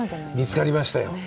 見つかりましたよ。